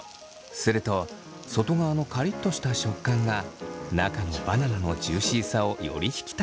すると外側のカリッとした食感が中のバナナのジューシーさをより引き立てるそう。